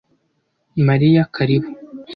Mariya Karibu